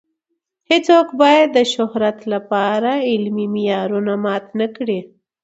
هیڅوک باید د شهرت لپاره علمي معیارونه مات نه کړي.